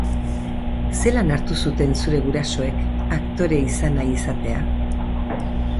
Zelan hartu zuten zure gurasoek aktore izan nahi izatea?